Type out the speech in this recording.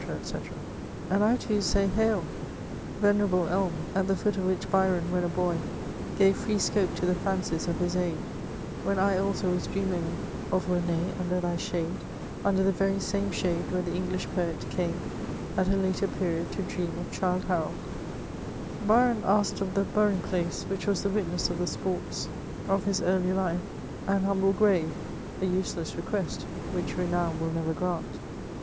&c And I too say, hail ! venerable elm, at the foot of which Byron, when a boy, gave free scope to the fancies of his age, when I also was dreaming of Rene under thy shade, under the very same shade where the English poet came at a later period to dream of Childe Harold f Byron asked of the burying place, which was the witness of the sports of his early 2i 2 430 MEHOIBS OF life, an humble grave ; a useless request, which renown will never g^nt.